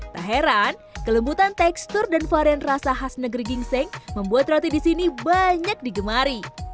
tak heran kelembutan tekstur dan varian rasa khas negeri gingseng membuat roti di sini banyak digemari